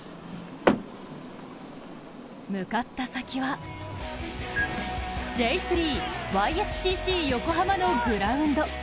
向かった先はＪ３・Ｙ．Ｓ．Ｃ．Ｃ．横浜のグラウンド。